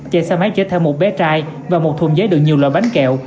chạy xe máy chở theo một bé trai và một thùng giấy được nhiều loại bánh kẹo